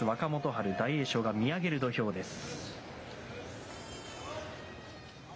春、大栄翔が見上げる土俵です。